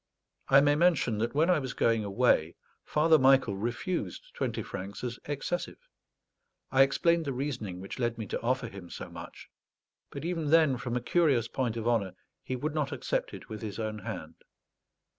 I may mention that when I was going away Father Michael refused twenty francs as excessive. I explained the reasoning which led me to offer him so much; but even then, from a curious point of honour, he would not accept it with his own hand.